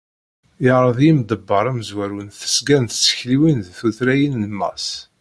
Yeɛreḍ yimḍebber amezwaru n tesga n tsekliwin d tutlayin Mass